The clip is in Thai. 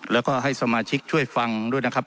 แล้วก็ให้สมาชิกช่วยฟังด้วยนะครับ